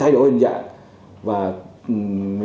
thay đổi nhân dạng và thay đổi viễn số